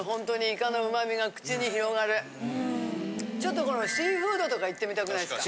ちょっとこのシーフードとかいってみたくないですか。